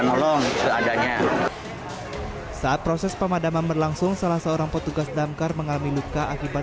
nolong seadanya saat proses pemadaman berlangsung salah seorang petugas damkar mengalami luka akibat